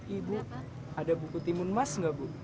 ibu ada buku timun emas nggak bu